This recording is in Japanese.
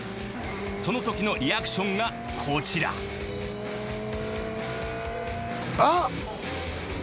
そのときのリアクションがこちらあっ！